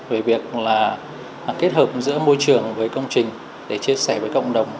về việc là kết hợp giữa môi trường với công trình để chia sẻ với cộng đồng